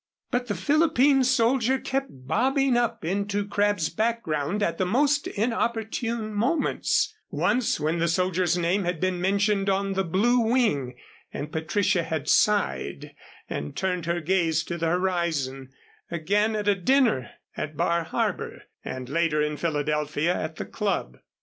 But the Philippine soldier kept bobbing up into Crabb's background at the most inopportune moments: once when the soldier's name had been mentioned on the Blue Wing, and Patricia had sighed and turned her gaze to the horizon, again at a dinner at Bar Harbor, and later in Philadelphia, at the Club.